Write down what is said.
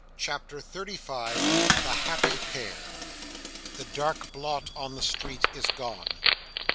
CHAPTER XXXV. The Happy Pair The dark blot on the street is gone.